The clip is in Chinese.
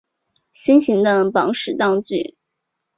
心形的宝石道具。